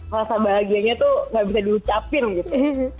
rasa bahagianya tuh gak bisa diucapin gitu